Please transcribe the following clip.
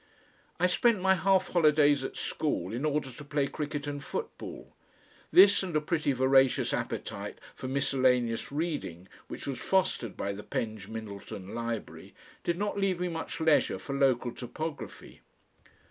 I spent my half holidays at school in order to play cricket and football. This, and a pretty voracious appetite for miscellaneous reading which was fostered by the Penge Middleton Library, did not leave me much leisure for local topography.